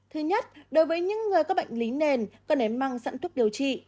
thứ nhất đối với những người có bệnh lý nền cần nếm măng sẵn thuốc điều trị